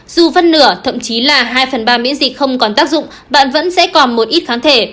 dù phân nửa thậm chí là hai phần ba miễn dịch không còn tác dụng bạn vẫn sẽ còn một ít kháng thể